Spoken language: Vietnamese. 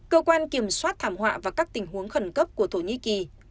cơ quan kiểm soát thảm họa và các tình huống khẩn cấp của thổ nh mientras và hàng tác xử của chúng tôi